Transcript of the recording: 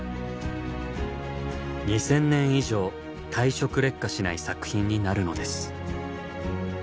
２，０００年以上退色劣化しない作品になるのです。